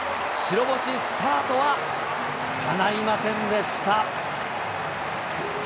白星スタートはかないませんでした。